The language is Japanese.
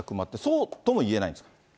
そうともいえないんですか。